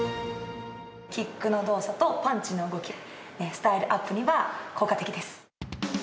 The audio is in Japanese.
キックの動作とパンチの動き、スタイルアップには効果的です。